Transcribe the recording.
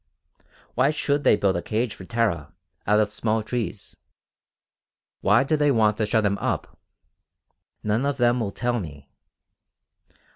Why should they build a cage for Tara, out of small trees? Why do they want to shut him up? None of them will tell me.